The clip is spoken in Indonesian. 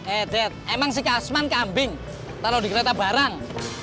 eh emang si kasman kambing taruh di kereta barang